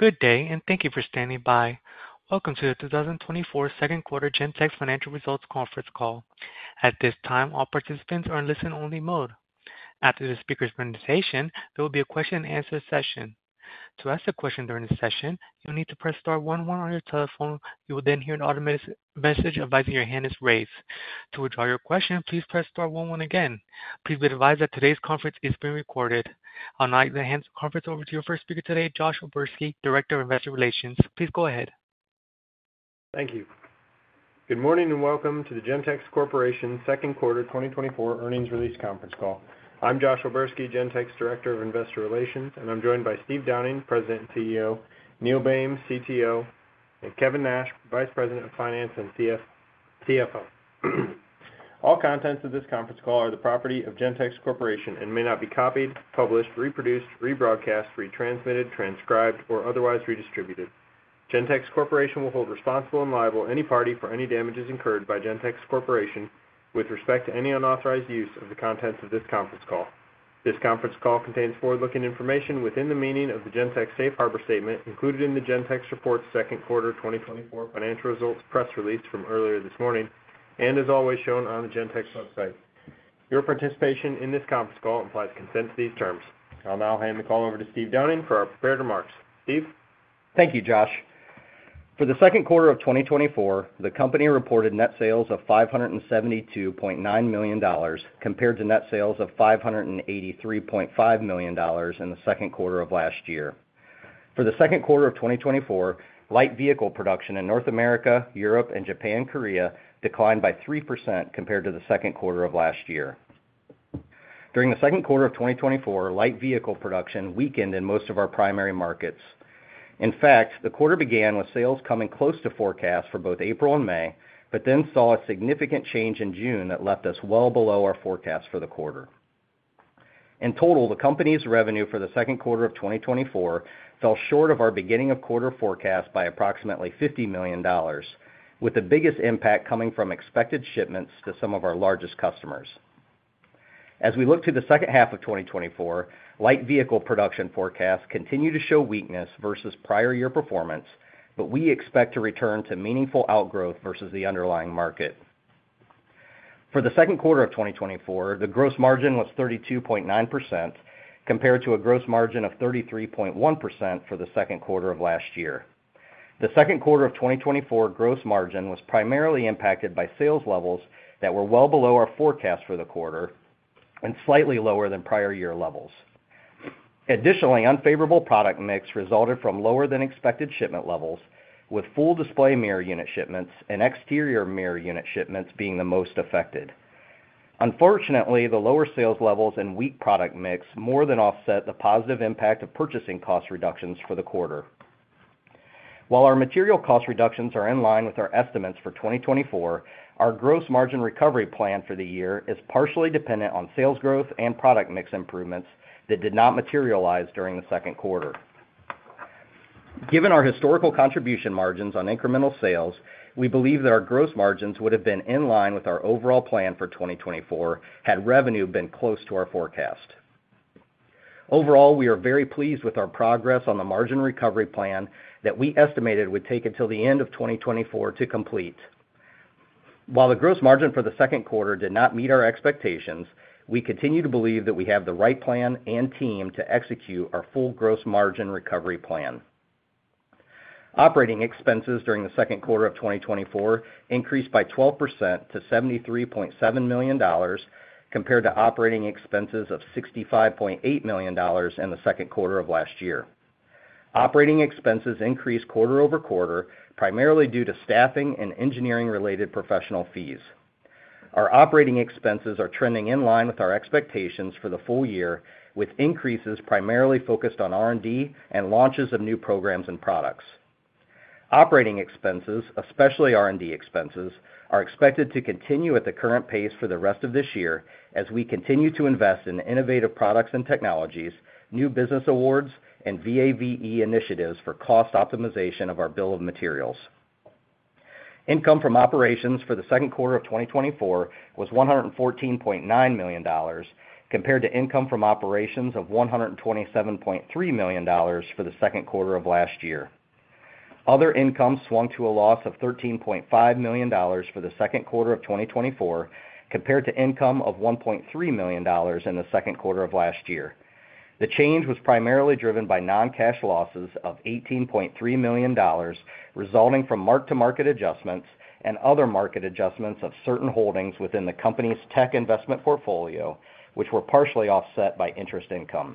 Good day, and thank you for standing by. Welcome to the 2024 second quarter Gentex financial results conference call. At this time, all participants are in listen-only mode. After the speaker's presentation, there will be a question-and-answer session. To ask a question during the session, you'll need to press star one one on your telephone. You will then hear an automated message advising your hand is raised. To withdraw your question, please press star one one again. Please be advised that today's conference is being recorded. I'll now hand the conference over to your first speaker today, Josh O'Berski, Director of Investor Relations. Please go ahead. Thank you. Good morning, and welcome to the Gentex Corporation second quarter 2024 earnings release conference call. I'm Josh O'Berski, Gentex Director of Investor Relations, and I'm joined by Steve Downing, President and CEO, Neil Boehm, CTO, and Kevin Nash, Vice President of Finance and CFO. All contents of this conference call are the property of Gentex Corporation and may not be copied, published, reproduced, rebroadcast, retransmitted, transcribed, or otherwise redistributed. Gentex Corporation will hold responsible and liable any party for any damages incurred by Gentex Corporation with respect to any unauthorized use of the contents of this conference call. This conference call contains forward-looking information within the meaning of the Gentex Safe Harbor statement included in the Gentex report's second quarter 2024 financial results press release from earlier this morning and is always shown on the Gentex website. Your participation in this conference call implies consent to these terms. I'll now hand the call over to Steve Downing for our prepared remarks. Steve? Thank you, Josh. For the second quarter of 2024, the company reported net sales of $572.9 million, compared to net sales of $583.5 million in the second quarter of last year. For the second quarter of 2024, light vehicle production in North America, Europe, and Japan/Korea declined by 3% compared to the second quarter of last year. During the second quarter of 2024, light vehicle production weakened in most of our primary markets. In fact, the quarter began with sales coming close to forecast for both April and May, but then saw a significant change in June that left us well below our forecast for the quarter. In total, the company's revenue for the second quarter of 2024 fell short of our beginning of quarter forecast by approximately $50 million, with the biggest impact coming from expected shipments to some of our largest customers. As we look to the second half of 2024, light vehicle production forecasts continue to show weakness versus prior year performance, but we expect to return to meaningful outgrowth versus the underlying market. For the second quarter of 2024, the gross margin was 32.9%, compared to a gross margin of 33.1% for the second quarter of last year. The second quarter of 2024 gross margin was primarily impacted by sales levels that were well below our forecast for the quarter and slightly lower than prior year levels. Additionally, unfavorable product mix resulted from lower than expected shipment levels, with Full Display Mirror unit shipments and exterior mirror unit shipments being the most affected. Unfortunately, the lower sales levels and weak product mix more than offset the positive impact of purchasing cost reductions for the quarter. While our material cost reductions are in line with our estimates for 2024, our gross margin recovery plan for the year is partially dependent on sales growth and product mix improvements that did not materialize during the second quarter. Given our historical contribution margins on incremental sales, we believe that our gross margins would have been in line with our overall plan for 2024, had revenue been close to our forecast. Overall, we are very pleased with our progress on the margin recovery plan that we estimated would take until the end of 2024 to complete. While the gross margin for the second quarter did not meet our expectations, we continue to believe that we have the right plan and team to execute our full gross margin recovery plan. Operating expenses during the second quarter of 2024 increased by 12% to $73.7 million, compared to operating expenses of $65.8 million in the second quarter of last year. Operating expenses increased quarter over quarter, primarily due to staffing and engineering-related professional fees. Our operating expenses are trending in line with our expectations for the full year, with increases primarily focused on R&D and launches of new programs and products. Operating expenses, especially R&D expenses, are expected to continue at the current pace for the rest of this year as we continue to invest in innovative products and technologies, new business awards, and VAVE initiatives for cost optimization of our bill of materials. Income from operations for the second quarter of 2024 was $114.9 million, compared to income from operations of $127.3 million for the second quarter of last year. Other income swung to a loss of $13.5 million for the second quarter of 2024, compared to income of $1.3 million in the second quarter of last year. The change was primarily driven by non-cash losses of $18.3 million, resulting from mark-to-market adjustments and other market adjustments of certain holdings within the company's tech investment portfolio, which were partially offset by interest income.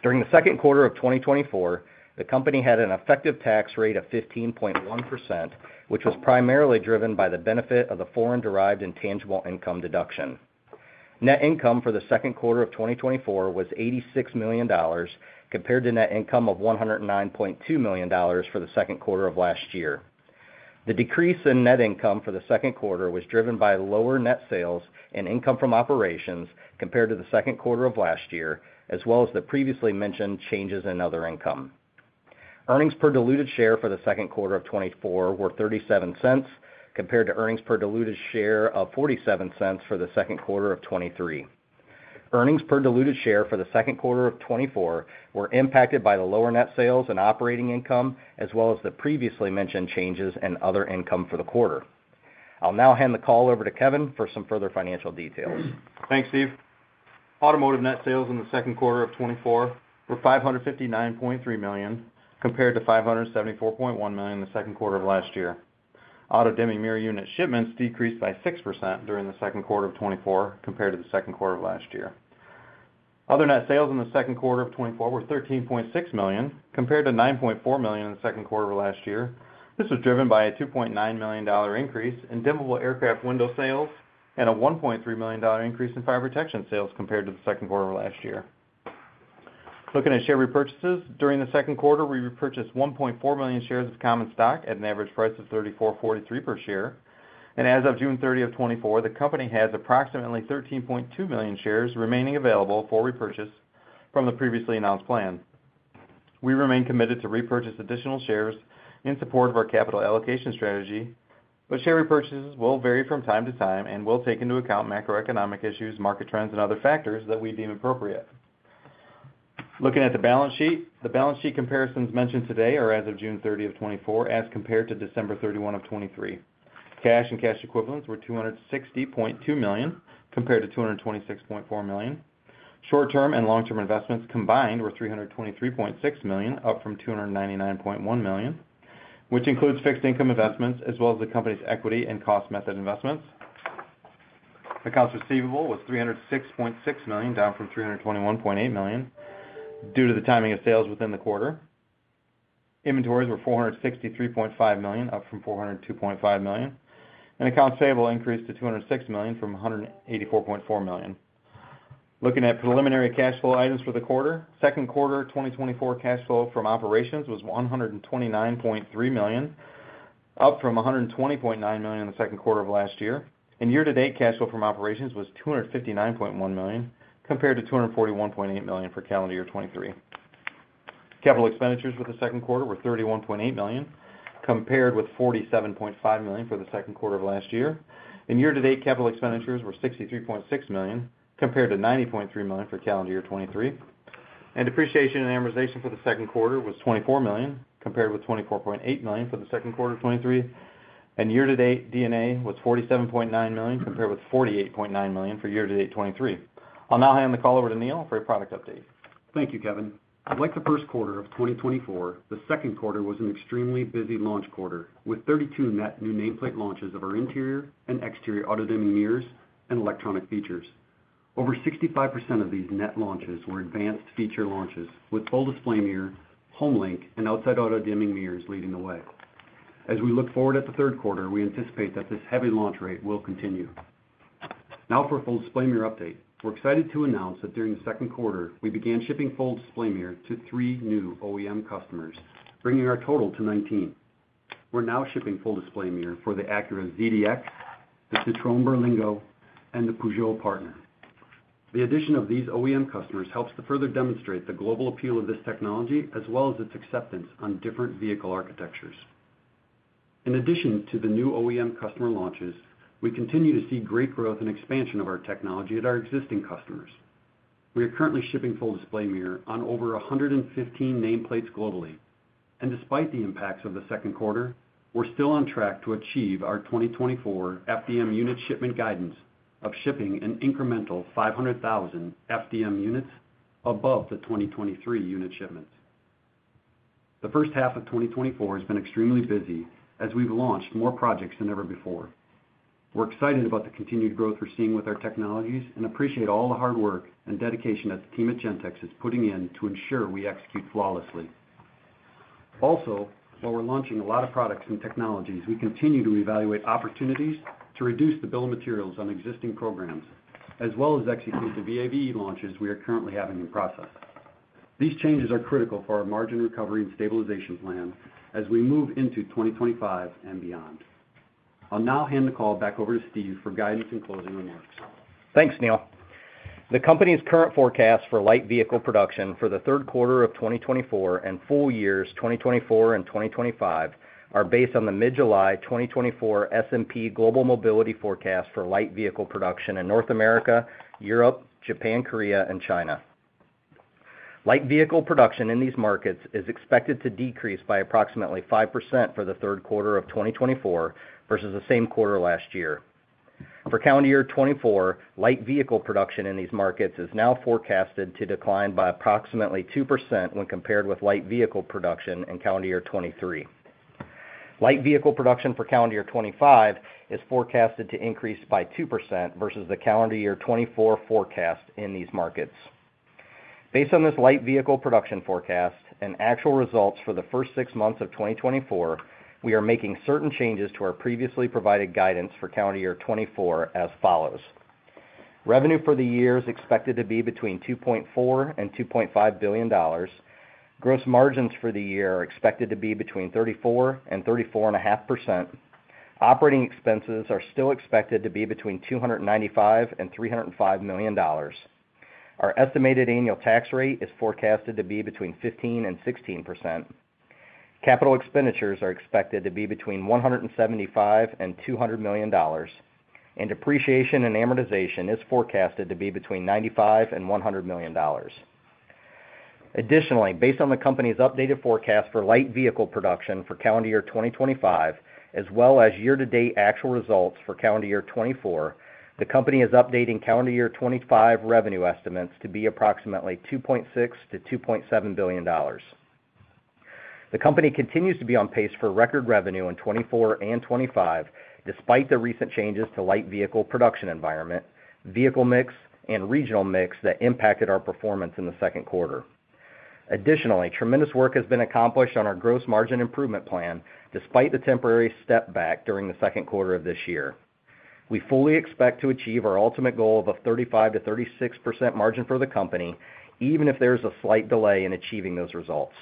During the second quarter of 2024, the company had an effective tax rate of 15.1%, which was primarily driven by the benefit of the foreign-derived intangible income deduction. Net income for the second quarter of 2024 was $86 million, compared to net income of $109.2 million for the second quarter of last year. The decrease in net income for the second quarter was driven by lower net sales and income from operations compared to the second quarter of last year, as well as the previously mentioned changes in other income.... Earnings per diluted share for the second quarter of 2024 were $0.37, compared to earnings per diluted share of $0.47 for the second quarter of 2023. Earnings per diluted share for the second quarter of 2024 were impacted by the lower net sales and operating income, as well as the previously mentioned changes in other income for the quarter. I'll now hand the call over to Kevin for some further financial details. Thanks, Steve. Automotive net sales in the second quarter of 2024 were $559.3 million, compared to $574.1 million in the second quarter of last year. Auto-dimming mirror unit shipments decreased by 6% during the second quarter of 2024 compared to the second quarter of last year. Other net sales in the second quarter of 2024 were $13.6 million, compared to $9.4 million in the second quarter of last year. This was driven by a $2.9 million increase in dimmable aircraft window sales and a $1.3 million increase in fire protection sales compared to the second quarter of last year. Looking at share repurchases, during the second quarter, we repurchased 1.4 million shares of common stock at an average price of $34.43 per share, and as of June 30, 2024, the company has approximately 13.2 million shares remaining available for repurchase from the previously announced plan. We remain committed to repurchase additional shares in support of our capital allocation strategy, but share repurchases will vary from time to time and will take into account macroeconomic issues, market trends, and other factors that we deem appropriate. Looking at the balance sheet, the balance sheet comparisons mentioned today are as of June 30, 2024, as compared to December 31, 2023. Cash and cash equivalents were $260.2 million, compared to $226.4 million. Short-term and long-term investments combined were $323.6 million, up from $299.1 million, which includes fixed income investments, as well as the company's equity and cost method investments. Accounts receivable was $306.6 million, down from $321.8 million, due to the timing of sales within the quarter. Inventories were $463.5 million, up from $402.5 million, and accounts payable increased to $206 million from $184.4 million. Looking at preliminary cash flow items for the quarter, second quarter 2024 cash flow from operations was $129.3 million, up from $120.9 million in the second quarter of last year. Year-to-date cash flow from operations was $259.1 million, compared to $241.8 million for calendar year 2023. Capital expenditures for the second quarter were $31.8 million, compared with $47.5 million for the second quarter of last year. Year-to-date capital expenditures were $63.6 million, compared to $90.3 million for calendar year 2023. Depreciation and amortization for the second quarter was $24 million, compared with $24.8 million for the second quarter of 2023. Year-to-date D&A was $47.9 million, compared with $48.9 million for year-to-date 2023. I'll now hand the call over to Neil for a product update. Thank you, Kevin. Like the first quarter of 2024, the second quarter was an extremely busy launch quarter, with 32 net new nameplate launches of our interior and exterior auto-dimming mirrors and electronic features. Over 65% of these net launches were advanced feature launches, with Full Display Mirror, HomeLink, and outside auto-dimming mirrors leading the way. As we look forward at the third quarter, we anticipate that this heavy launch rate will continue. Now, for Full Display Mirror update. We're excited to announce that during the second quarter, we began shipping Full Display Mirror to 3 new OEM customers, bringing our total to 19. We're now shipping Full Display Mirror for the Acura ZDX, the Citroën Berlingo, and the Peugeot Partner. The addition of these OEM customers helps to further demonstrate the global appeal of this technology, as well as its acceptance on different vehicle architectures. In addition to the new OEM customer launches, we continue to see great growth and expansion of our technology at our existing customers. We are currently shipping Full Display Mirror on over 115 nameplates globally, and despite the impacts of the second quarter, we're still on track to achieve our 2024 FDM unit shipment guidance of shipping an incremental 500,000 FDM units above the 2023 unit shipments. The first half of 2024 has been extremely busy, as we've launched more projects than ever before. We're excited about the continued growth we're seeing with our technologies and appreciate all the hard work and dedication that the team at Gentex is putting in to ensure we execute flawlessly. Also, while we're launching a lot of products and technologies, we continue to evaluate opportunities to reduce the bill of materials on existing programs, as well as execute the VAVE launches we are currently having in process. These changes are critical for our margin recovery and stabilization plan as we move into 2025 and beyond. I'll now hand the call back over to Steve for guidance and closing remarks. Thanks, Neil. The company's current forecast for light vehicle production for the third quarter of 2024 and full years 2024 and 2025 are based on the mid-July 2024 S&P Global Mobility Forecast for light vehicle production in North America, Europe, Japan, Korea, and China. Light vehicle production in these markets is expected to decrease by approximately 5% for the third quarter of 2024 versus the same quarter last year. For calendar year 2024, light vehicle production in these markets is now forecasted to decline by approximately 2% when compared with light vehicle production in calendar year 2023. Light vehicle production for calendar year 2025 is forecasted to increase by 2% versus the calendar year 2024 forecast in these markets. Based on this light vehicle production forecast and actual results for the first six months of 2024, we are making certain changes to our previously provided guidance for calendar year 2024 as follows: Revenue for the year is expected to be between $2.4 billion-$2.5 billion. Gross margins for the year are expected to be between 34%-34.5%. Operating expenses are still expected to be between $295 million-$305 million. Our estimated annual tax rate is forecasted to be between 15%-16%. Capital expenditures are expected to be between $175 million-$200 million, and depreciation and amortization is forecasted to be between $95 million-$100 million. Additionally, based on the company's updated forecast for light vehicle production for calendar year 2025, as well as year-to-date actual results for calendar year 2024, the company is updating calendar year 2025 revenue estimates to be approximately $2.6 billion-$2.7 billion. The company continues to be on pace for record revenue in 2024 and 2025, despite the recent changes to light vehicle production environment, vehicle mix, and regional mix that impacted our performance in the second quarter. Additionally, tremendous work has been accomplished on our gross margin improvement plan, despite the temporary step back during the second quarter of this year. We fully expect to achieve our ultimate goal of a 35%-36% margin for the company, even if there is a slight delay in achieving those results.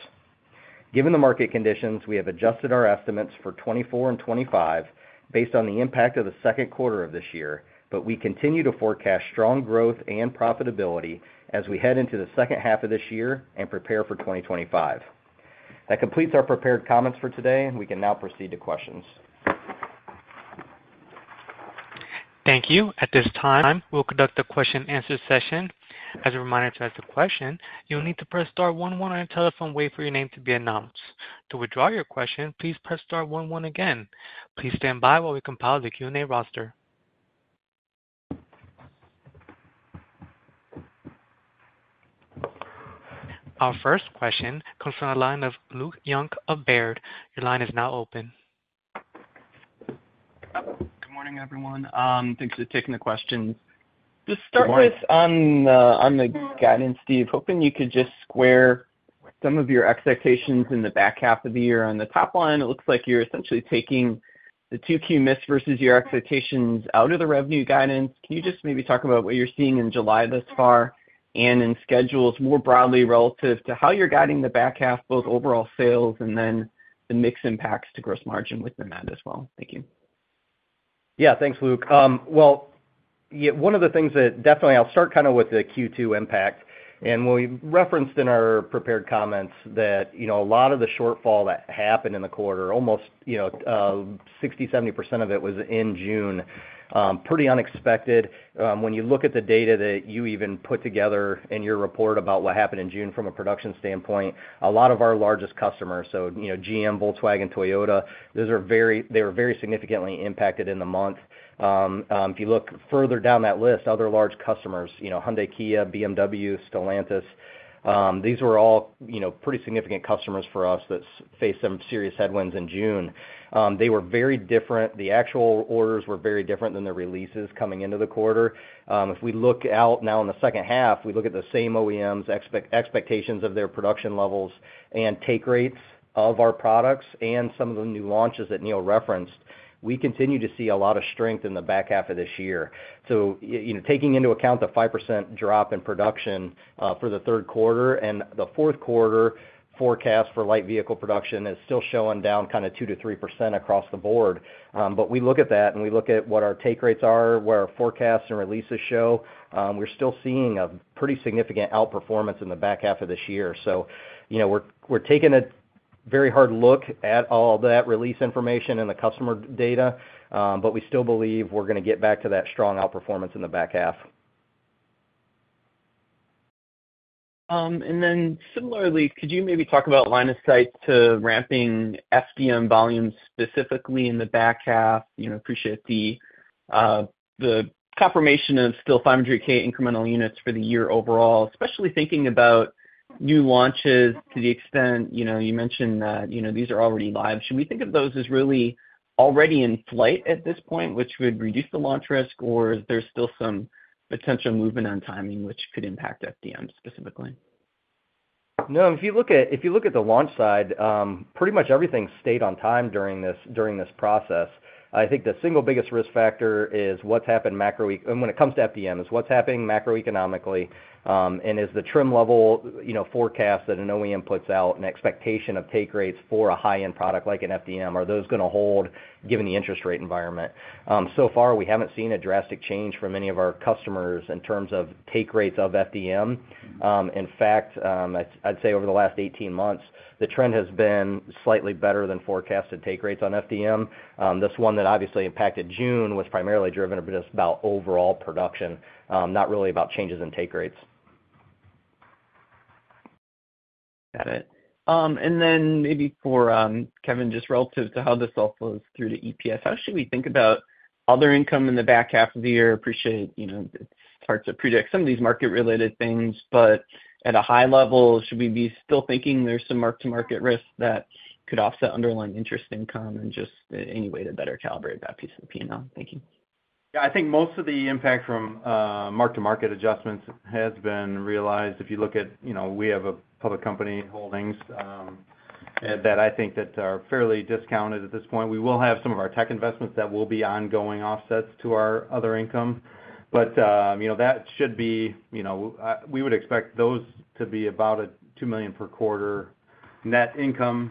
Given the market conditions, we have adjusted our estimates for 2024 and 2025 based on the impact of the second quarter of this year, but we continue to forecast strong growth and profitability as we head into the second half of this year and prepare for 2025. That completes our prepared comments for today, and we can now proceed to questions. Thank you. At this time, we'll conduct a question-and-answer session. As a reminder, to ask a question, you'll need to press star one one on your telephone, wait for your name to be announced. To withdraw your question, please press star one one again. Please stand by while we compile the Q&A roster. Our first question comes from the line of Luke Junk of Baird. Your line is now open. Good morning, everyone, thanks for taking the question. Good morning. Just start with the guidance, Steve. Hoping you could just square some of your expectations in the back half of the year. On the top line, it looks like you're essentially taking the 2Q miss versus your expectations out of the revenue guidance. Can you just maybe talk about what you're seeing in July thus far, and in schedules more broadly relative to how you're guiding the back half, both overall sales and then the mix impacts to gross margin with them out as well? Thank you. Yeah, thanks, Luke. Well, yeah, one of the things that definitely I'll start kind of with the Q2 impact, and we referenced in our prepared comments that, you know, a lot of the shortfall that happened in the quarter, almost, you know, 60%-70% of it was in June, pretty unexpected. When you look at the data that you even put together in your report about what happened in June from a production standpoint, a lot of our largest customers, so, you know, GM, Volkswagen, Toyota, those are very, they were very significantly impacted in the month. If you look further down that list, other large customers, you know, Hyundai, Kia, BMW, Stellantis, these were all, you know, pretty significant customers for us that faced some serious headwinds in June. They were very different. The actual orders were very different than the releases coming into the quarter. If we look out now in the second half, we look at the same OEMs, expectations of their production levels and take rates of our products and some of the new launches that Neil referenced, we continue to see a lot of strength in the back half of this year. So you know, taking into account the 5% drop in production for the third quarter and the fourth quarter forecast for light vehicle production is still showing down kind of 2%-3% across the board. But we look at that, and we look at what our take rates are, what our forecasts and releases show, we're still seeing a pretty significant outperformance in the back half of this year. You know, we're, we're taking a very hard look at all that release information and the customer data, but we still believe we're gonna get back to that strong outperformance in the back half. And then similarly, could you maybe talk about line of sight to ramping FDM volumes, specifically in the back half? You know, appreciate the, the confirmation of still 500,000 incremental units for the year overall, especially thinking about new launches to the extent, you know, you mentioned that, you know, these are already live. Should we think of those as really already in flight at this point, which would reduce the launch risk, or is there still some potential movement on timing which could impact FDM specifically? No. If you look at the launch side, pretty much everything stayed on time during this process. I think the single biggest risk factor is what's happened macro and when it comes to FDM, is what's happening macroeconomically, and is the trim level, you know, forecast that an OEM puts out, an expectation of take rates for a high-end product like an FDM, are those gonna hold given the interest rate environment? So far, we haven't seen a drastic change from any of our customers in terms of take rates of FDM. In fact, I'd say over the last 18 months, the trend has been slightly better than forecasted take rates on FDM. This one that obviously impacted June was primarily driven just about overall production, not really about changes in take rates. Got it. And then maybe for Kevin, just relative to how this all flows through to EPS, how should we think about other income in the back half of the year? Appreciate, you know, it's hard to predict some of these market-related things, but at a high level, should we be still thinking there's some mark-to-market risk that could offset underlying interest income, and just any way to better calibrate that piece of the P&L? Thank you. Yeah, I think most of the impact from mark-to-market adjustments has been realized. If you look at, you know, we have a public company holdings, that I think that are fairly discounted at this point. We will have some of our tech investments that will be ongoing offsets to our other income, but, you know, that should be, you know, we would expect those to be about $2 million per quarter. Net income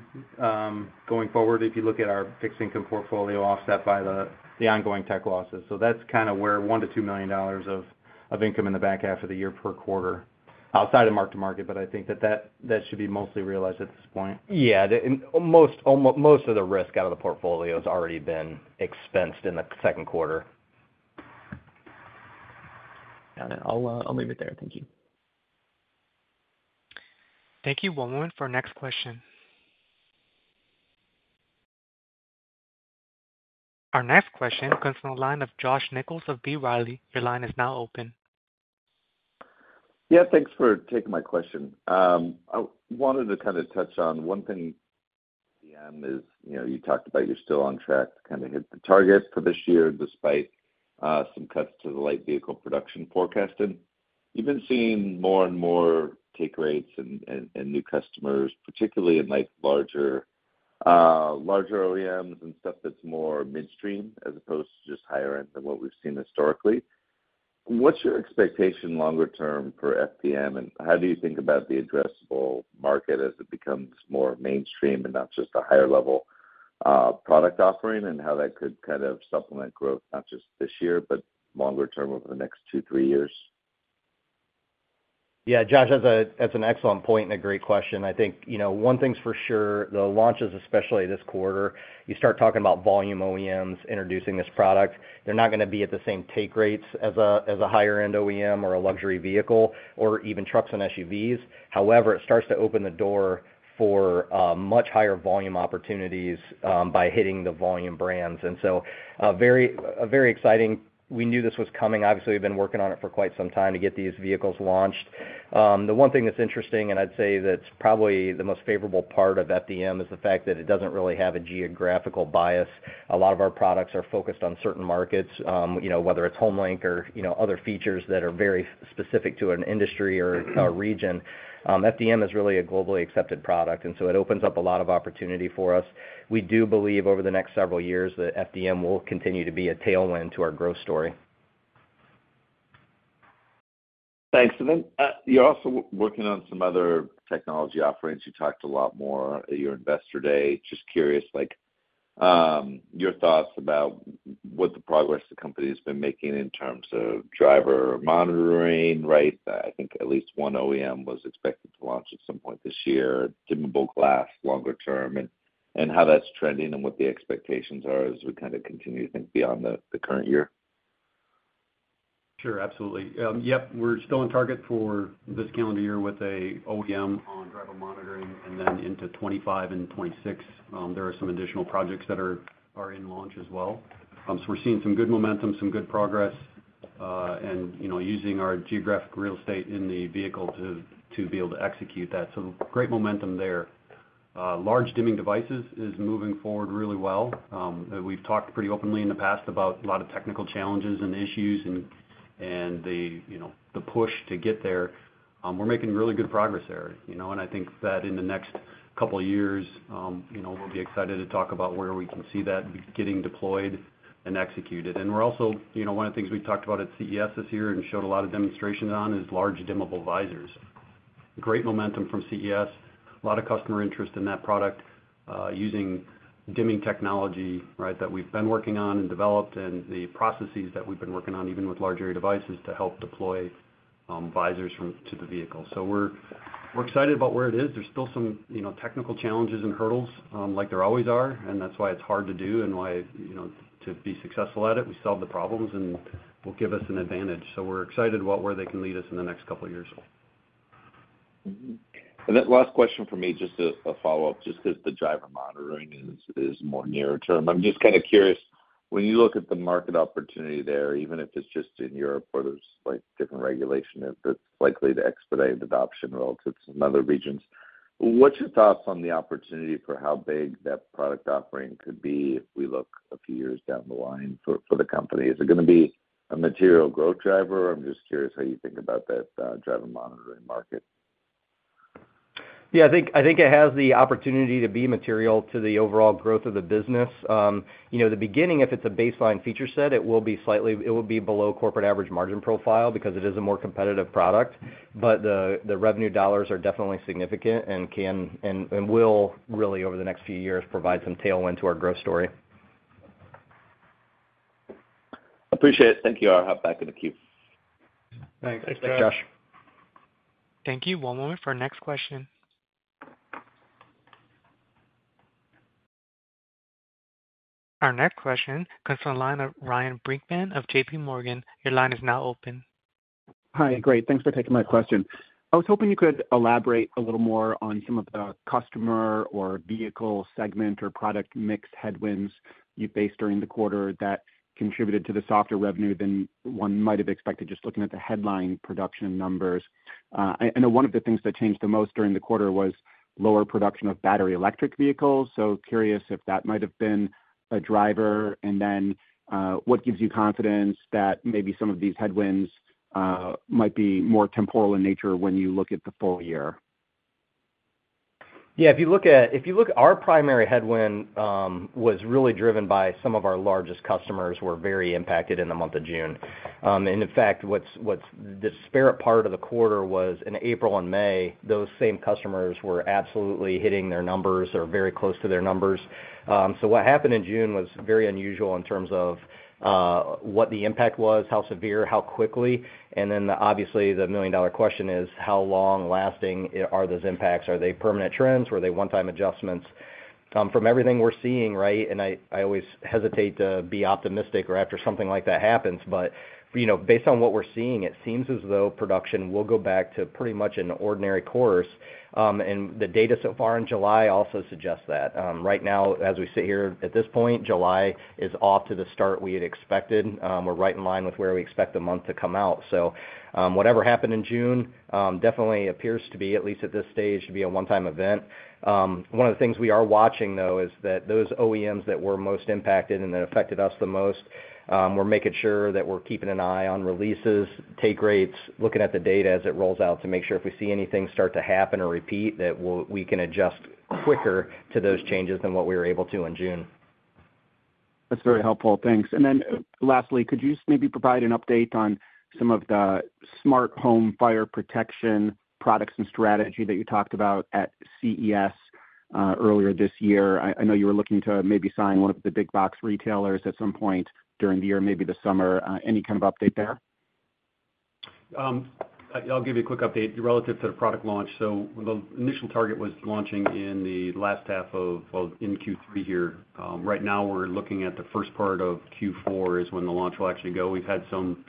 going forward, if you look at our fixed income portfolio, offset by the ongoing tech losses. So that's kind of where $1 million-$2 million of income in the back half of the year per quarter, outside of mark-to-market, but I think that should be mostly realized at this point. Yeah, and most almost of the risk out of the portfolio has already been expensed in the second quarter. Got it. I'll, I'll leave it there. Thank you. Thank you. One moment for our next question. Our next question comes from the line of Josh Nichols of B. Riley. Your line is now open. Yeah, thanks for taking my question. I wanted to kind of touch on one thing, FDM is, you know, you talked about you're still on track to kind of hit the targets for this year, despite some cuts to the light vehicle production forecasting. You've been seeing more and more take rates and, and, and new customers, particularly in, like, larger larger OEMs and stuff that's more midstream, as opposed to just higher end than what we've seen historically. What's your expectation longer term for FDM, and how do you think about the addressable market as it becomes more mainstream and not just a higher level product offering, and how that could kind of supplement growth, not just this year, but longer term over the next two, three years? Yeah, Josh, that's a, that's an excellent point and a great question. I think, you know, one thing's for sure, the launches, especially this quarter, you start talking about volume OEMs introducing this product. They're not gonna be at the same take rates as a, as a higher end OEM or a luxury vehicle, or even trucks and SUVs. However, it starts to open the door for much higher volume opportunities by hitting the volume brands. And so a very exciting... We knew this was coming. Obviously, we've been working on it for quite some time to get these vehicles launched. The one thing that's interesting, and I'd say that's probably the most favorable part of FDM, is the fact that it doesn't really have a geographical bias. A lot of our products are focused on certain markets, you know, whether it's HomeLink or, you know, other features that are very specific to an industry or a region. FDM is really a globally accepted product, and so it opens up a lot of opportunity for us. We do believe over the next several years, that FDM will continue to be a tailwind to our growth story. Thanks. And then, you're also working on some other technology offerings. You talked a lot more at your Investor Day. Just curious, like, your thoughts about what the progress the company has been making in terms of driver monitoring, right? I think at least one OEM was expected to launch at some point this year, dimmable glass longer term, and, and how that's trending and what the expectations are as we kind of continue to think beyond the current year. Sure, absolutely. Yep, we're still on target for this calendar year with an OEM on driver monitoring, and then into 2025 and 2026, there are some additional projects that are in launch as well. So we're seeing some good momentum, some good progress, and, you know, using our geographic real estate in the vehicle to be able to execute that. So great momentum there. Large dimming devices is moving forward really well. We've talked pretty openly in the past about a lot of technical challenges and issues and the, you know, the push to get there. We're making really good progress there, you know, and I think that in the next couple of years, you know, we'll be excited to talk about where we can see that getting deployed and executed. And we're also, you know, one of the things we talked about at CES this year and showed a lot of demonstrations on, is large dimmable visors. Great momentum from CES. A lot of customer interest in that product, using dimming technology, right, that we've been working on and developed, and the processes that we've been working on, even with large area devices, to help deploy visors from to the vehicle. So we're excited about where it is. There's still some, you know, technical challenges and hurdles, like there always are, and that's why it's hard to do and why, you know, to be successful at it, we solve the problems, and will give us an advantage. So we're excited about where they can lead us in the next couple of years. And then last question for me, just a follow-up, just because the driver monitoring is more near term. I'm just kind of curious, when you look at the market opportunity there, even if it's just in Europe, where there's, like, different regulation, that's likely to expedite adoption relative to some other regions, what's your thoughts on the opportunity for how big that product offering could be if we look a few years down the line for the company? Is it gonna be a material growth driver? I'm just curious how you think about that, driver monitoring market. Yeah, I think it has the opportunity to be material to the overall growth of the business. You know, the beginning, if it's a baseline feature set, it will be slightly below corporate average margin profile because it is a more competitive product, but the revenue dollars are definitely significant and can and will really, over the next few years, provide some tailwind to our growth story. Appreciate it. Thank you. I'll hop back in the queue. Thanks. Thanks, Josh. Thank you. One moment for our next question. Our next question comes from the line of Ryan Brinkman of JPMorgan. Your line is now open. Hi, great. Thanks for taking my question. I was hoping you could elaborate a little more on some of the customer or vehicle segment or product mix headwinds you faced during the quarter that contributed to the softer revenue than one might have expected, just looking at the headline production numbers. I know one of the things that changed the most during the quarter was lower production of battery electric vehicles, so curious if that might have been a driver. And then, what gives you confidence that maybe some of these headwinds might be more temporal in nature when you look at the full year? Yeah, if you look at our primary headwind was really driven by some of our largest customers were very impacted in the month of June. And in fact, what's the disparate part of the quarter was in April and May, those same customers were absolutely hitting their numbers or very close to their numbers. So what happened in June was very unusual in terms of what the impact was, how severe, how quickly, and then obviously, the million-dollar question is, how long lasting are those impacts? Are they permanent trends? Were they one-time adjustments? From everything we're seeing, right, and I always hesitate to be optimistic or after something like that happens, but, you know, based on what we're seeing, it seems as though production will go back to pretty much an ordinary course. And the data so far in July also suggests that. Right now, as we sit here at this point, July is off to the start we had expected. We're right in line with where we expect the month to come out. So, whatever happened in June, definitely appears to be, at least at this stage, to be a one-time event. One of the things we are watching, though, is that those OEMs that were most impacted and that affected us the most, we're making sure that we're keeping an eye on releases, take rates, looking at the data as it rolls out to make sure if we see anything start to happen or repeat, that we can adjust quicker to those changes than what we were able to in June. That's very helpful. Thanks. And then lastly, could you just maybe provide an update on some of the smart home fire protection products and strategy that you talked about at CES earlier this year? I know you were looking to maybe sign one of the big box retailers at some point during the year, maybe this summer. Any kind of update there? I'll give you a quick update relative to the product launch. So the initial target was launching in the last half of in Q3 here. Right now, we're looking at the first part of Q4 is when the launch will actually go. We've had some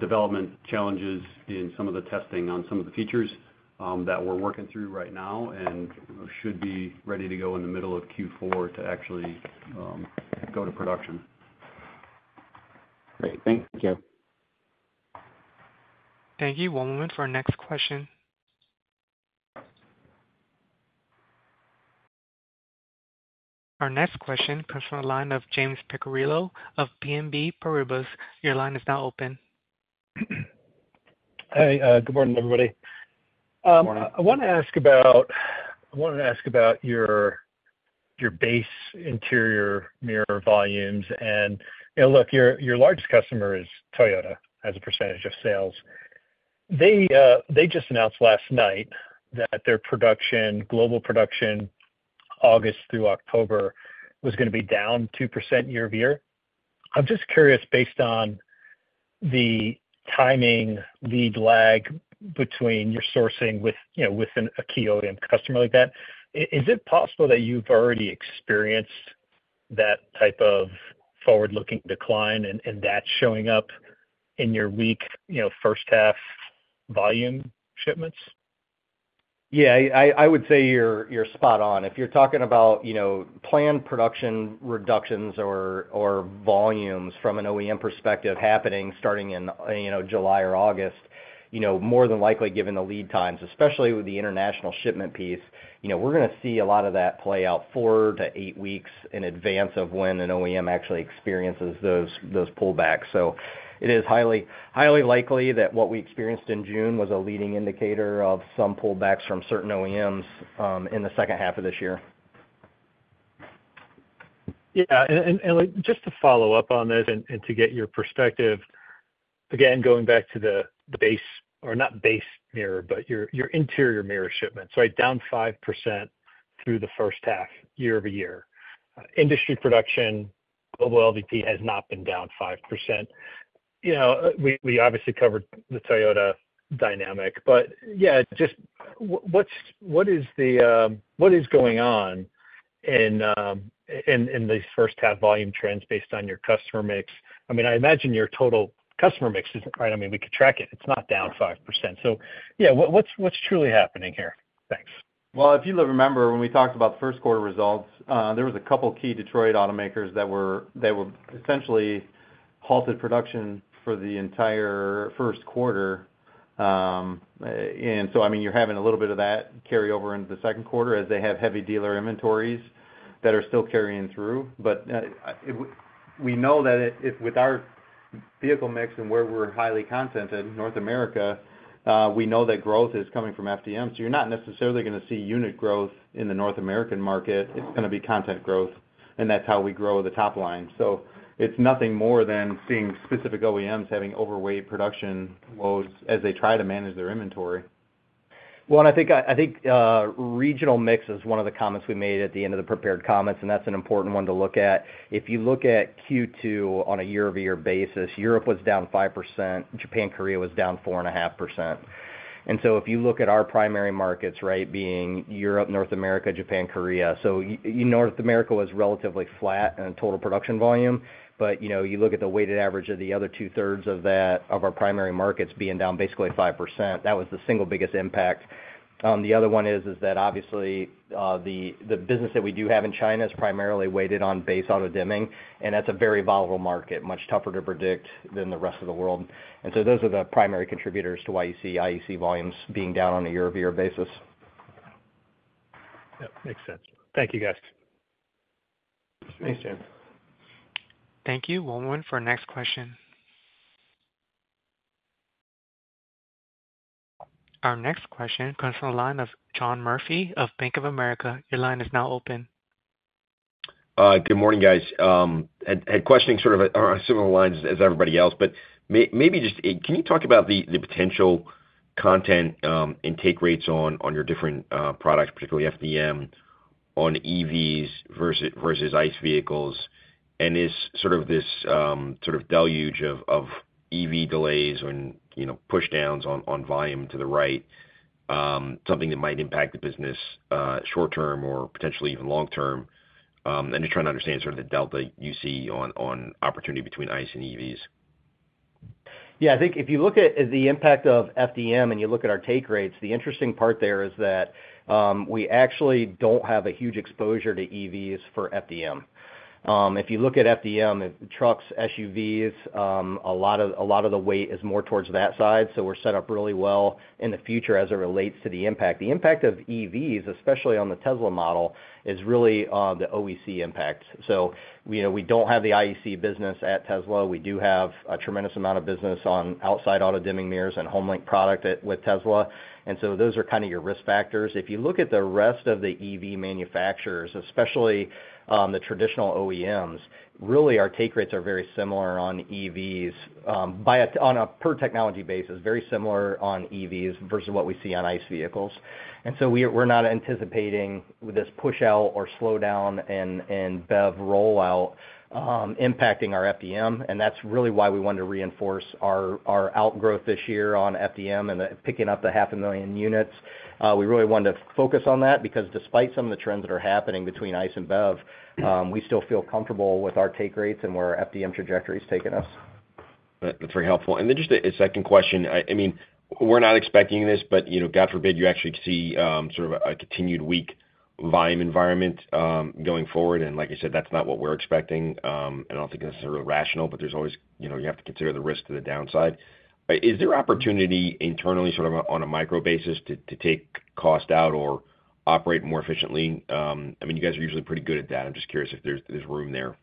development challenges in some of the testing on some of the features that we're working through right now, and should be ready to go in the middle of Q4 to actually go to production. Great. Thank you. Thank you. One moment for our next question. Our next question comes from the line of James Picariello of BNP Paribas. Your line is now open. Hey, good morning, everybody. Good morning. I want to ask about, I want to ask about your, your base interior mirror volumes. You know, look, your, your largest customer is Toyota, as a percentage of sales. They, they just announced last night that their production, global production, August through October, was gonna be down 2% year-over-year. I'm just curious, based on the timing, the lag between your sourcing with, you know, with a key OEM customer like that, is it possible that you've already experienced that type of forward-looking decline, and that's showing up in your weak, you know, first half volume shipments? Yeah, I would say you're spot on. If you're talking about, you know, planned production reductions or volumes from an OEM perspective happening starting in, you know, July or August, you know, more than likely, given the lead times, especially with the international shipment piece, you know, we're gonna see a lot of that play out four to eight weeks in advance of when an OEM actually experiences those pullbacks. So it is highly, highly likely that what we experienced in June was a leading indicator of some pullbacks from certain OEMs in the second half of this year. Yeah, and, like, just to follow up on this and to get your perspective, again, going back to the base, or not base mirror, but your interior mirror shipments, right? Down 5% through the first half, year-over-year. Industry production, global LVP has not been down 5%. You know, we obviously covered the Toyota dynamic, but yeah, just what's - what is going on in these first half volume trends based on your customer mix? I mean, I imagine your total customer mix isn't... Right, I mean, we could track it. It's not down 5%. So, yeah, what's truly happening here? Thanks. Well, if you remember, when we talked about first quarter results, there was a couple of key Detroit automakers that were essentially halted production for the entire first quarter. And so, I mean, you're having a little bit of that carry over into the second quarter as they have heavy dealer inventories that are still carrying through. But, we know that if with our vehicle mix and where we're highly contented in North America, we know that growth is coming from FDM. So you're not necessarily gonna see unit growth in the North American market. It's gonna be content growth, and that's how we grow the top line. So it's nothing more than seeing specific OEMs having overweight production loads as they try to manage their inventory. Well, and I think, I think, regional mix is one of the comments we made at the end of the prepared comments, and that's an important one to look at. If you look at Q2 on a year-over-year basis, Europe was down 5%, Japan, Korea was down 4.5%. And so if you look at our primary markets, right, being Europe, North America, Japan, Korea, so North America was relatively flat in total production volume. But, you know, you look at the weighted average of the other two-thirds of that, of our primary markets being down basically 5%. That was the single biggest impact. The other one is that obviously, the business that we do have in China is primarily weighted on base auto dimming, and that's a very volatile market, much tougher to predict than the rest of the world. And so those are the primary contributors to why you see IEC volumes being down on a year-over-year basis. Yep, makes sense. Thank you, guys. Thanks, James. Thank you. One moment for our next question. Our next question comes from the line of John Murphy of Bank of America. Your line is now open. Good morning, guys. Had questioning sort of on similar lines as everybody else, but maybe just... Can you talk about the potential content and take rates on your different products, particularly FDM, on EVs versus ICE vehicles? And is sort of this sort of deluge of EV delays and, you know, pushdowns on volume to the right something that might impact the business short term or potentially even long term? I'm just trying to understand sort of the delta you see on opportunity between ICE and EVs. Yeah, I think if you look at the impact of FDM and you look at our take rates, the interesting part there is that, we actually don't have a huge exposure to EVs for FDM. If you look at FDM, trucks, SUVs, a lot of, a lot of the weight is more towards that side, so we're set up really well in the future as it relates to the impact. The impact of EVs, especially on the Tesla model, is really, the OEC impact. So, you know, we don't have the IEC business at Tesla. We do have a tremendous amount of business on outside auto dimming mirrors and HomeLink product with Tesla, and so those are kind of your risk factors. If you look at the rest of the EV manufacturers, especially, the traditional OEMs, really, our take rates are very similar on EVs, on a per technology basis, very similar on EVs versus what we see on ICE vehicles. And so we're not anticipating this push out or slowdown in BEV rollout, impacting our FDM, and that's really why we wanted to reinforce our, our outgrowth this year on FDM and the picking up the 500,000 units. We really wanted to focus on that, because despite some of the trends that are happening between ICE and BEV, we still feel comfortable with our take rates and where our FDM trajectory is taking us. That's very helpful. And then just a second question. I mean, we're not expecting this, but, you know, God forbid, you actually see, sort of a continued weak volume environment, going forward. And like you said, that's not what we're expecting, and I don't think this is really rational, but there's always... You know, you have to consider the risk to the downside. Is there opportunity internally, sort of on a micro basis, to take cost out or operate more efficiently? I mean, you guys are usually pretty good at that. I'm just curious if there's room there.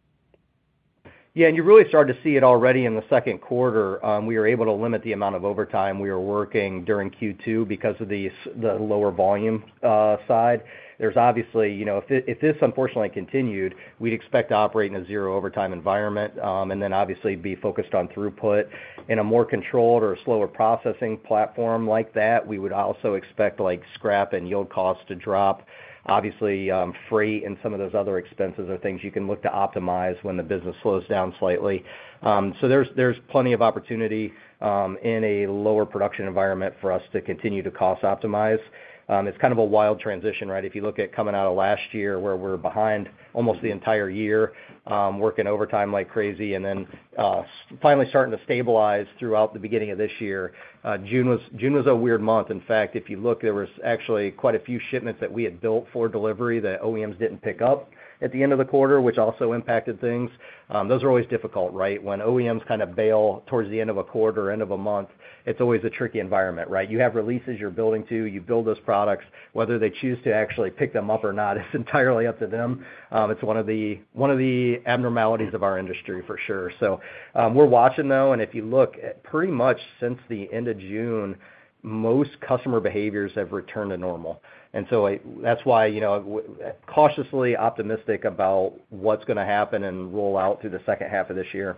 Yeah, and you really started to see it already in the second quarter. We were able to limit the amount of overtime we were working during Q2 because of the lower volume side. There's obviously, you know, if this unfortunately continued, we'd expect to operate in a zero overtime environment, and then obviously be focused on throughput. In a more controlled or a slower processing platform like that, we would also expect, like, scrap and yield costs to drop. Obviously, freight and some of those other expenses are things you can look to optimize when the business slows down slightly. So there's plenty of opportunity in a lower production environment for us to continue to cost optimize. It's kind of a wild transition, right? If you look at coming out of last year, where we're behind almost the entire year, working overtime like crazy, and then finally starting to stabilize throughout the beginning of this year. June was, June was a weird month. In fact, if you look, there was actually quite a few shipments that we had built for delivery that OEMs didn't pick up at the end of the quarter, which also impacted things. Those are always difficult, right? When OEMs kind of bail towards the end of a quarter, end of a month, it's always a tricky environment, right? You have releases you're building to. You build those products. Whether they choose to actually pick them up or not is entirely up to them. It's one of the, one of the abnormalities of our industry, for sure. We're watching, though, and if you look at pretty much since the end of June, most customer behaviors have returned to normal. And so that's why, you know, we're cautiously optimistic about what's gonna happen and roll out through the second half of this year.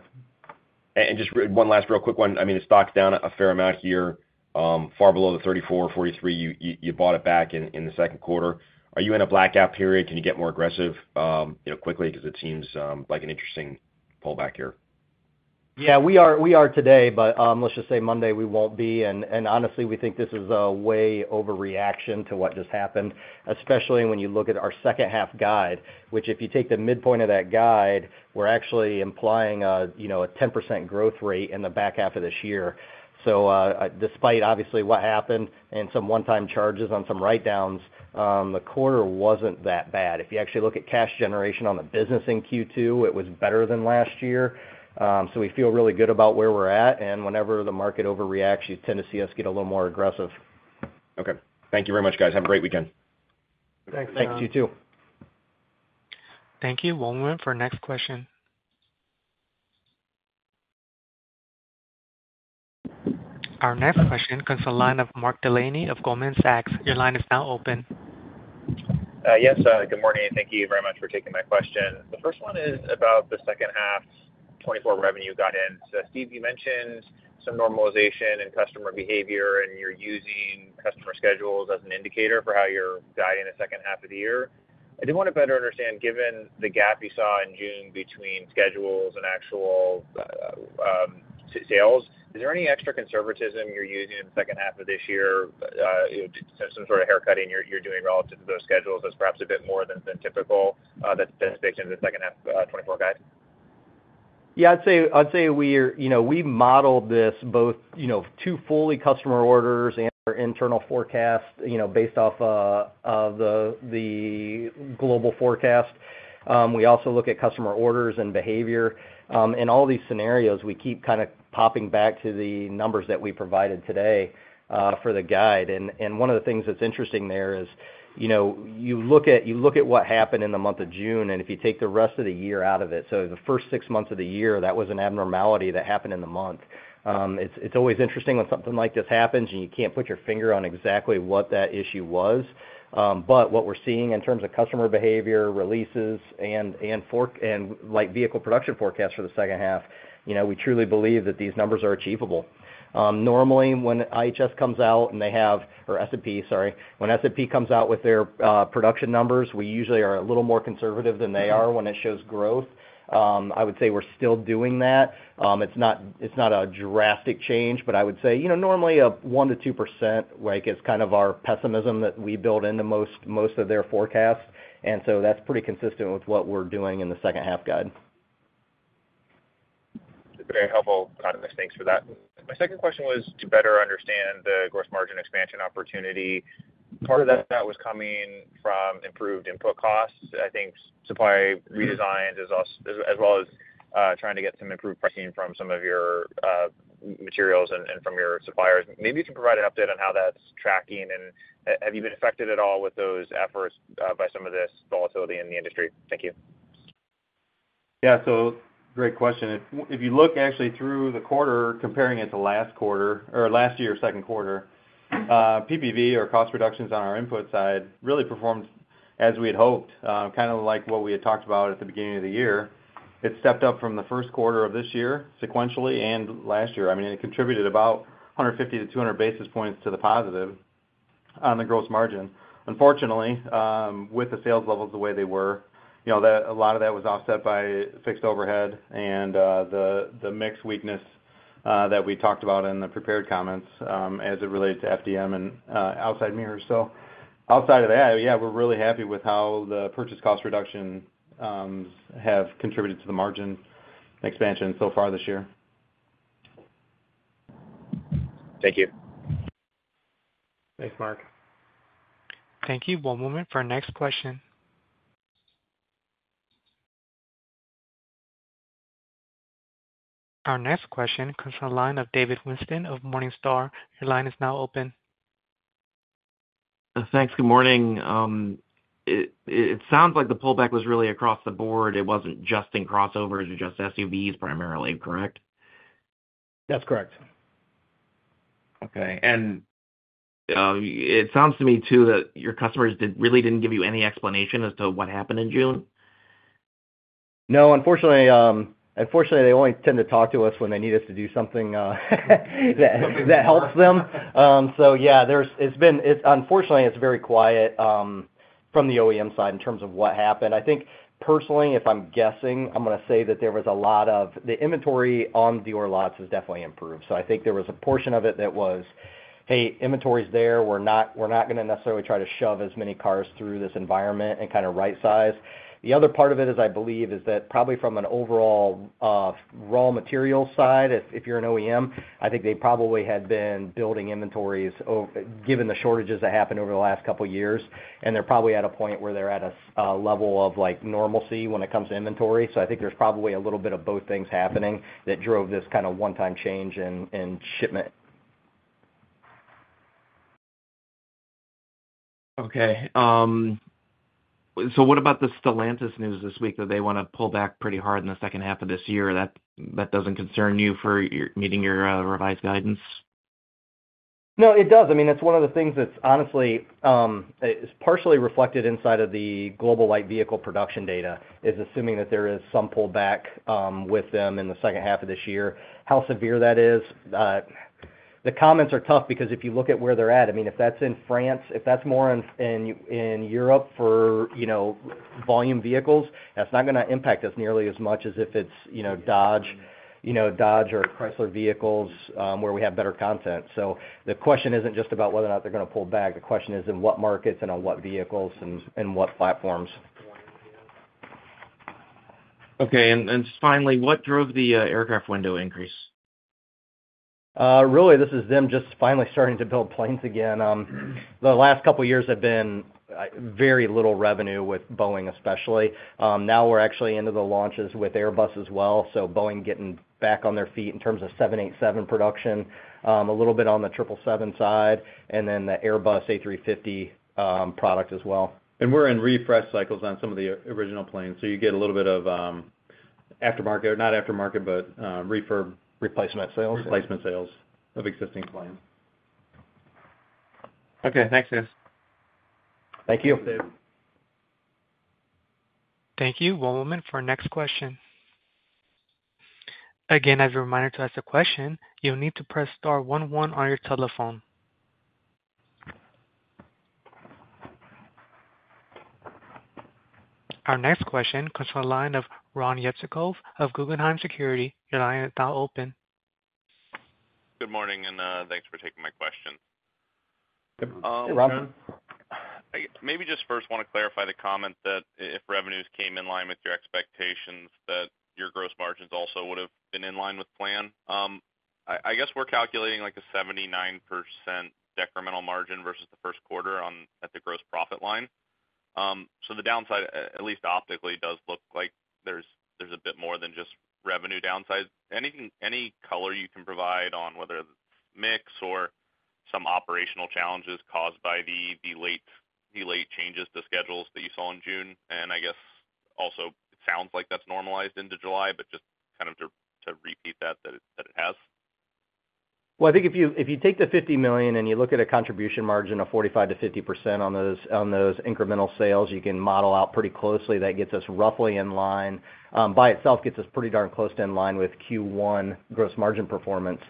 And just one last real quick one. I mean, the stock's down a fair amount here, far below the $34-$43 you bought it back in the second quarter. Are you in a blackout period? Can you get more aggressive, you know, quickly? Because it seems like an interesting pullback here. Yeah, we are, we are today, but, let's just say Monday, we won't be. And honestly, we think this is a way overreaction to what just happened, especially when you look at our second half guide, which if you take the midpoint of that guide, we're actually implying a, you know, a 10% growth rate in the back half of this year. So, despite obviously what happened and some one-time charges on some write-downs, the quarter wasn't that bad. If you actually look at cash generation on the business in Q2, it was better than last year. So we feel really good about where we're at, and whenever the market overreacts, you tend to see us get a little more aggressive. Okay. Thank you very much, guys. Have a great weekend. Thanks, John. You, too. Thank you. We'll wait for next question. Our next question comes to the line of Mark Delaney of Goldman Sachs. Your line is now open. Yes, good morning, and thank you very much for taking my question. The first one is about the second half's 2024 revenue guidance. So Steve, you mentioned some normalization in customer behavior, and you're using customer schedules as an indicator for how you're guiding the second half of the year. I did want to better understand, given the gap you saw in June between schedules and actual sales, is there any extra conservatism you're using in the second half of this year, you know, some sort of haircutting you're doing relative to those schedules that's perhaps a bit more than typical, that's baked into the second half, 2024 guide? Yeah, I'd say we're you know, we modeled this both, you know, to full customer orders and our internal forecast, you know, based off of the global forecast. We also look at customer orders and behavior. In all these scenarios, we keep kind of popping back to the numbers that we provided today for the guide. One of the things that's interesting there is, you know, you look at what happened in the month of June, and if you take the rest of the year out of it, so the first six months of the year, that was an abnormality that happened in the month. It's always interesting when something like this happens, and you can't put your finger on exactly what that issue was. But what we're seeing in terms of customer behavior, releases, and for light vehicle production forecast for the second half, you know, we truly believe that these numbers are achievable. Normally, when IHS comes out and they have... Or S&P, sorry. When S&P comes out with their production numbers, we usually are a little more conservative than they are when it shows growth. I would say we're still doing that. It's not, it's not a drastic change, but I would say, you know, normally, a 1%-2%, like, is kind of our pessimism that we build into most, most of their forecasts, and so that's pretty consistent with what we're doing in the second half guide. Very helpful, kind of mixed. Thanks for that. My second question was to better understand the gross margin expansion opportunity. Part of that, that was coming from improved input costs. I think supply redesigns is also as well as trying to get some improved pricing from some of your materials and from your suppliers. Maybe you can provide an update on how that's tracking, and have you been affected at all with those efforts by some of this volatility in the industry? Thank you. Yeah, so great question. If you look actually through the quarter, comparing it to last quarter or last year's second quarter, PPV or cost reductions on our input side really performed as we had hoped, kind of like what we had talked about at the beginning of the year. It stepped up from the first quarter of this year, sequentially and last year. I mean, it contributed about 150-200 basis points to the positive on the gross margin. Unfortunately, with the sales levels the way they were, you know, that a lot of that was offset by fixed overhead and the mix weakness that we talked about in the prepared comments, as it related to FDM and outside mirrors. Outside of that, yeah, we're really happy with how the purchase cost reduction have contributed to the margin expansion so far this year. Thank you. Thanks, Mark. Thank you. One moment for our next question. Our next question comes from the line of David Whiston of Morningstar. Your line is now open. Thanks. Good morning. It sounds like the pullback was really across the board. It wasn't just in crossovers or just SUVs primarily, correct? That's correct. Okay. It sounds to me, too, that your customers really didn't give you any explanation as to what happened in June? No, unfortunately, they only tend to talk to us when they need us to do something that helps them. So yeah, there's... It's unfortunately very quiet from the OEM side in terms of what happened. I think personally, if I'm guessing, I'm gonna say that there was a lot of... The inventory on dealer lots has definitely improved, so I think there was a portion of it that was, "Hey, inventory is there. We're not, we're not gonna necessarily try to shove as many cars through this environment and kind of right size." The other part of it is, I believe, is that probably from an overall, raw material side, if, if you're an OEM, I think they probably had been building inventories given the shortages that happened over the last couple of years, and they're probably at a point where they're at a, a level of, like, normalcy when it comes to inventory. So I think there's probably a little bit of both things happening that drove this kind of one-time change in, in shipment. Okay, so what about the Stellantis news this week, that they want to pull back pretty hard in the second half of this year? That doesn't concern you for your meeting your revised guidance? No, it does. I mean, it's one of the things that's honestly, it's partially reflected inside of the global light vehicle production data, is assuming that there is some pullback with them in the second half of this year. How severe that is? The comments are tough because if you look at where they're at, I mean, if that's in France, if that's more in Europe for, you know, volume vehicles, that's not gonna impact us nearly as much as if it's, you know, Dodge, you know, Dodge or Chrysler vehicles, where we have better content. So the question isn't just about whether or not they're gonna pull back. The question is, in what markets and on what vehicles and what platforms? Okay. And just finally, what drove the aircraft window increase? Really, this is them just finally starting to build planes again. The last couple of years have been very little revenue with Boeing, especially. Now we're actually into the launches with Airbus as well. So Boeing getting back on their feet in terms of 787 production, a little bit on the 777 side, and then the Airbus A350 product as well. We're in refresh cycles on some of the original planes, so you get a little bit of aftermarket, not aftermarket, but refurb- Replacement sales. replacement sales of existing planes. Okay. Thanks, guys. Thank you. Thanks, David. Thank you. One moment for our next question. Again, as a reminder to ask a question, you'll need to press star one one on your telephone. Our next question comes from the line of Ron Jewsikow of Guggenheim Securities. Your line is now open. Good morning, and thanks for taking my question. Good morning. Hey, Ron. Maybe just first want to clarify the comment that if revenues came in line with your expectations, that your gross margins also would have been in line with plan. I guess we're calculating like a 79% incremental margin versus the first quarter on the gross profit line. So the downside, at least optically, does look like there's a bit more than just revenue downside. Anything any color you can provide on whether mix or some operational challenges caused by the late changes to schedules that you saw in June? And I guess also, it sounds like that's normalized into July, but just kind of to repeat that it has. Well, I think if you, if you take the $50 million, and you look at a contribution margin of 45%-50% on those, on those incremental sales, you can model out pretty closely. That gets us roughly in line, by itself, gets us pretty darn close to in line with Q1 gross margin performance.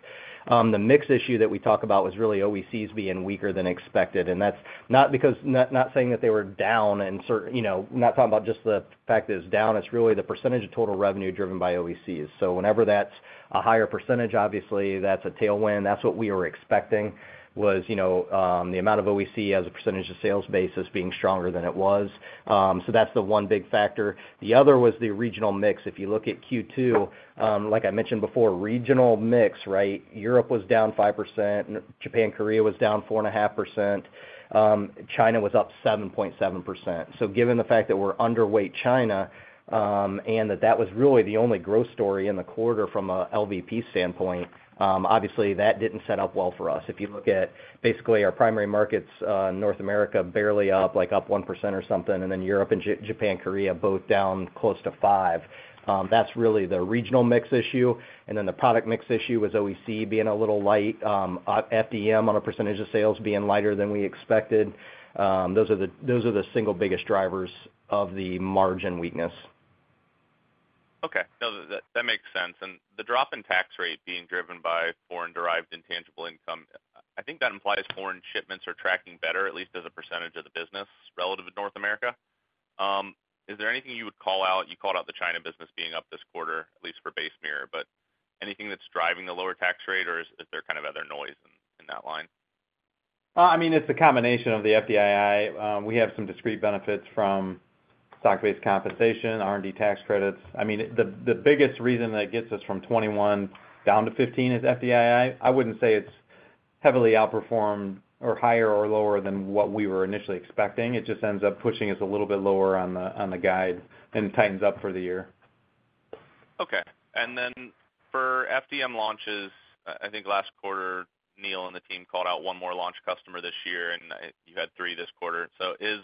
The mix issue that we talk about was really OECs being weaker than expected, and that's not because... Not, not saying that they were down and certain- you know, not talking about just the fact that it's down, it's really the percentage of total revenue driven by OECs. So whenever that's a higher percentage, obviously that's a tailwind. That's what we were expecting, was, you know, the amount of OEC as a percentage of sales basis being stronger than it was. So that's the one big factor. The other was the regional mix. If you look at Q2, like I mentioned before, regional mix, right? Europe was down 5%, Japan, Korea was down 4.5%, China was up 7.7%. So given the fact that we're underweight China, and that that was really the only growth story in the quarter from a LVP standpoint, obviously, that didn't set up well for us. If you look at basically our primary markets, North America, barely up, like up 1% or something, and then Europe and Japan, Korea, both down close to 5. That's really the regional mix issue. And then the product mix issue was OEC being a little light, FDM on a percentage of sales being lighter than we expected. Those are the single biggest drivers of the margin weakness. Okay. No, that makes sense. And the drop in tax rate being driven by Foreign-Derived Intangible Income, I think that implies foreign shipments are tracking better, at least as a percentage of the business relative to North America. Is there anything you would call out? You called out the China business being up this quarter, at least for base mirror, but anything that's driving the lower tax rate, or is there kind of other noise in that line? I mean, it's a combination of the FDII. We have some discrete benefits from stock-based compensation, R&D tax credits. I mean, the biggest reason that gets us from 21 down to 15 is FDII. I wouldn't say it's heavily outperformed or higher or lower than what we were initially expecting. It just ends up pushing us a little bit lower on the guide, and it tightens up for the year. Okay. And then for FDM launches, I think last quarter, Neil and the team called out one more launch customer this year, and you had three this quarter. So is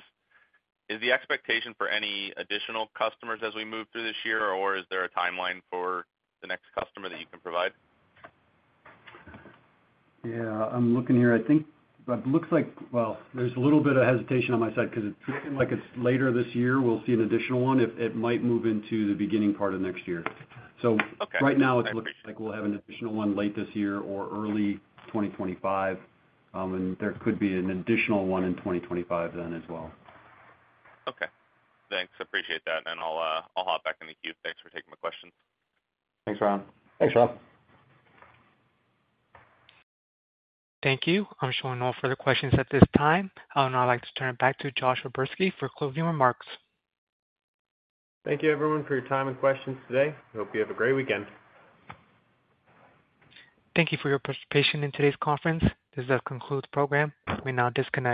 the expectation for any additional customers as we move through this year, or is there a timeline for the next customer that you can provide? Yeah, I'm looking here. I think it looks like... Well, there's a little bit of hesitation on my side 'cause it's looking like it's later this year, we'll see an additional one. It, it might move into the beginning part of next year. Okay. Right now, it looks like we'll have an additional one late this year or early 2025, and there could be an additional one in 2025 then as well. Okay. Thanks. Appreciate that, and I'll hop back in the queue. Thanks for taking my questions. Thanks, Ron. Thanks, Ron. Thank you. I'm showing no further questions at this time. I would now like to turn it back to Josh O'Berski for closing remarks. Thank you, everyone, for your time and questions today. Hope you have a great weekend. Thank you for your participation in today's conference. This does conclude the program. You may now disconnect.